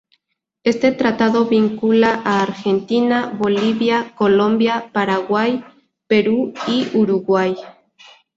Este tratado vincula a Argentina, Bolivia, Colombia, Paraguay, Perú y Uruguay.